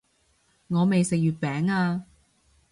我未食月餅啊